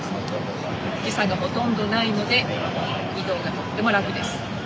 時差がほとんどないので移動がとっても楽です。